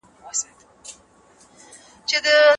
ماشومان د مور او پلار دعاګانو ته اړتیا لري.